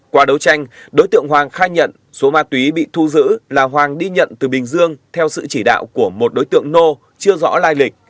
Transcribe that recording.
qua đấu tranh đối tượng hoàng khai nhận số ma túy bị thu giữ là hoàng đi nhận từ bình dương theo sự chỉ đạo của một đối tượng nô chưa rõ lai lịch